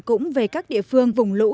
cũng về các địa phương vùng lũ